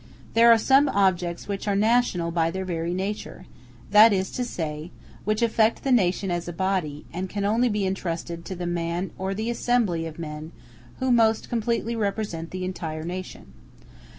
There are some objects which are national by their very nature, that is to say, which affect the nation as a body, and can only be intrusted to the man or the assembly of men who most completely represent the entire nation.